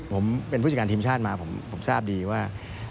ผมเป็นผู้จัดการทีมชาติมาผมทราบดีว่า